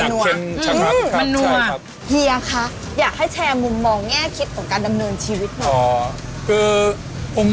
แต่ของผมมันจะหนึบ